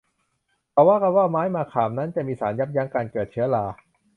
เขาว่ากันว่าไม้มะขามนั้นจะมีสารยับยั้งการเกิดเชื้อรา